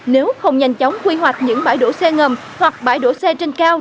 nếu không nhanh chóng quy hoạch những bãi đổ xe ngầm hoặc bãi đổ xe trên cao